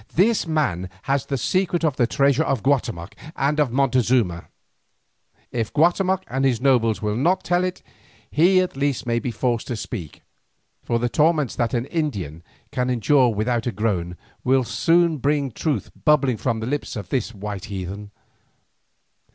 This man has the secret of the treasure of Guatemoc and of Montezuma. If Guatemoc and his nobles will not tell it, he at least may be forced to speak, for the torments that an Indian can endure without a groan will soon bring truth bubbling from the lips of this white heathen.